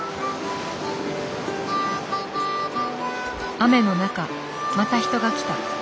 雨の中また人が来た。